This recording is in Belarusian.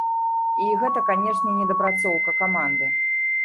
І гэта, канешне, недапрацоўка каманды.